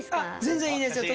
全然いいですよ。